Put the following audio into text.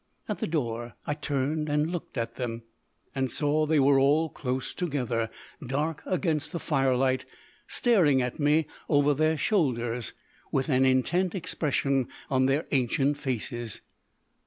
At the door I turned and looked at them, and saw they were all close together, dark against the firelight, staring at me over their shoulders, with an intent expression on their ancient faces.